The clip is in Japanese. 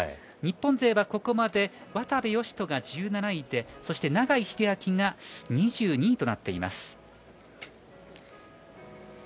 日本勢はここまで渡部善斗が１７位で永井秀昭が２２位となっています。